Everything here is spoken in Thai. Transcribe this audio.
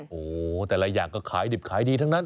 โอ้โหแต่ละอย่างก็ขายดิบขายดีทั้งนั้น